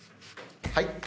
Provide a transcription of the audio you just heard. はい。